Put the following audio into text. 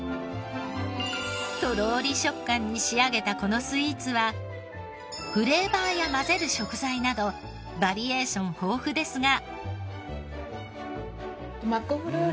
とろり食感に仕上げたこのスイーツはフレーバーや混ぜる食材などバリエーション豊富ですが。